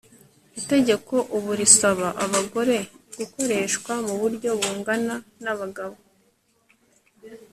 Itegeko ubu risaba abagore gukoreshwa muburyo bungana nabagabo